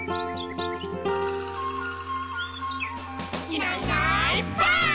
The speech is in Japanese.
「いないいないばあっ！」